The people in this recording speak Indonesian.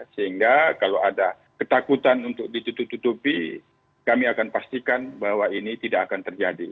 sehingga kalau ada ketakutan untuk ditutup tutupi kami akan pastikan bahwa ini tidak akan terjadi